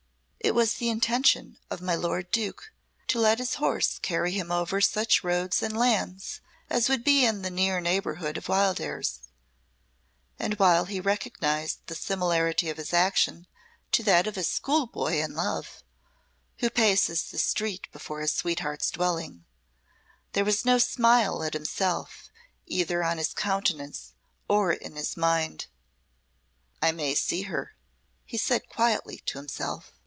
It was the intention of my lord Duke to let his horse carry him over such roads and lands as would be in the near neighbourhood of Wildairs, and while he recognised the similarity of his action to that of a school boy in love, who paces the street before his sweetheart's dwelling, there was no smile at himself, either on his countenance or in his mind. "I may see her," he said quietly to himself.